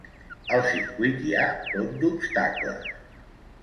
Al circuit hi ha tot d’obstacles.